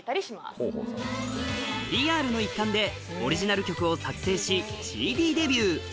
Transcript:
ＰＲの一環でオリジナル曲を作成しＣＤデビュー